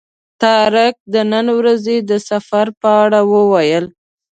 طارق د نن ورځې د سفر په اړه وویل.